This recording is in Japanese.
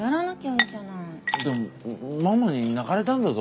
でもママに泣かれたんだぞ？